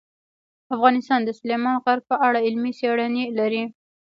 افغانستان د سلیمان غر په اړه علمي څېړنې لري.